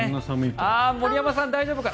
森山さん、大丈夫かな？